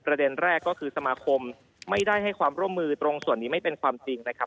ประเด็นแรกก็คือสมาคมไม่ได้ให้ความร่วมมือตรงส่วนนี้ไม่เป็นความจริงนะครับ